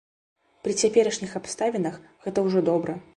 Пры цяперашніх абставінах, гэта ўжо добра.